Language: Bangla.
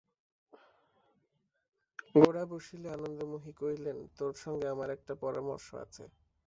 গোরা বসিলে আনন্দময়ী কহিলেন, তোর সঙ্গে আমার একটা পরামর্শ আছে।